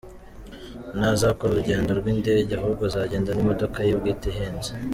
Ntazakora urugendo rw’indege ahubwo azagenda mu modoka ye bwite ihenze.